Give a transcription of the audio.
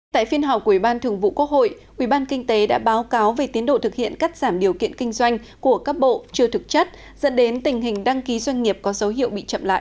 tại phiên họp của ủy ban thường vụ quốc hội ủy ban kinh tế đã báo cáo về tiến độ thực hiện cắt giảm điều kiện kinh doanh của các bộ chưa thực chất dẫn đến tình hình đăng ký doanh nghiệp có dấu hiệu bị chậm lại